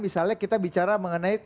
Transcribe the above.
misalnya kita bicara mengenai